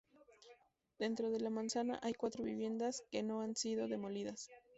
Dentro de la manzana hay cuatro viviendas que no han sido demolidas.